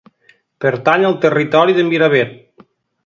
Pertany al territori de Miravet.